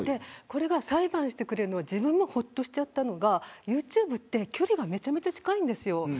裁判してくれるというのでほっとしたのがユーチューブって距離がめちゃくちゃ近いんです。